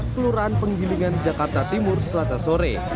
kelurahan penggilingan jakarta timur selasa sore